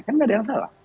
kan gak ada yang salah